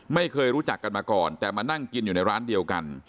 ไม่เคยรู้จักกันมาก่อนแต่มานั่งกินอยู่ในร้านเดียวกัน